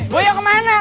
bu bu yang kemana